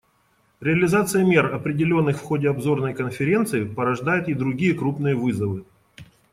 Реализация мер, определенных в ходе обзорной Конференции, порождает и другие крупные вызовы.